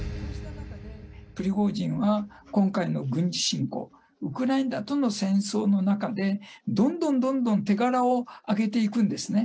プリゴジンは今回の軍事侵攻、ウクライナとの戦争の中で、どんどんどんどん手柄を上げていくんですね。